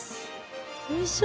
よいしょ。